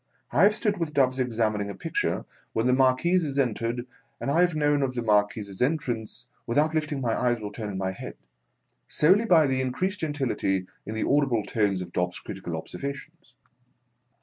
I have stood with Dobbs examining a picture, when the Marquis has entered, and I have known of the Marquis's entrance without lifting my eyes or turning my head, solely by the increased gentility in the audible tones of Dobbs's critical observations.